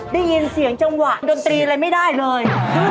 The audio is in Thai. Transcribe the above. ได้ยินเสียงจังหวะดนตรีอะไรไม่ได้เลย